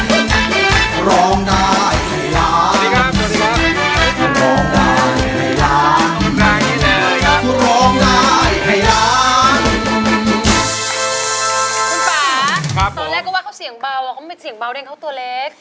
คุณป่าตอนแรกก็ว่าเขาเสียงเบาเขาเป็นเสียงเบาแดงเขาตัวเล็ก